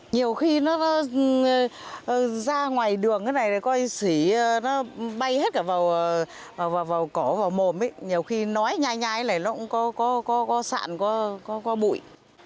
nhiều khi nó ra ngoài đường cái này nó bay hết cả vào cỏ vào mồm nhiều khi nói nhai nhai lại nó cũng có sạn có bụi